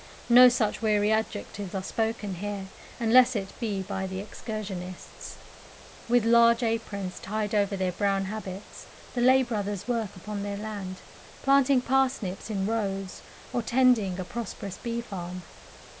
No such weary adjectives are spoken here, unless it be by the excursionists. With large aprons tied over their brown habits, the Lay Brothers work upon their land, planting parsnips in rows, or tending a prosperous bee farm.